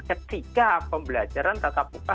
ketika pembelajaran tata buka